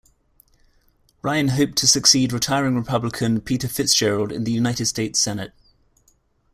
Ryan hoped to succeed retiring Republican Peter Fitzgerald in the United States Senate.